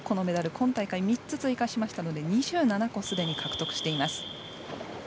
今大会３つ追加しましたので２７個すでに獲得しています。